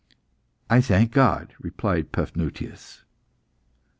"I thank God," replied Paphnutius.